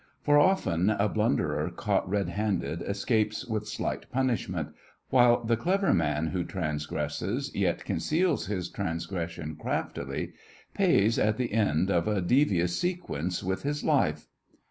For often a blunderer caught red handed escapes with slight punishment, while the clever man who transgresses, yet conceals his transgression craftily, pays at the end of a devious sequence with his life.